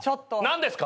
何ですか！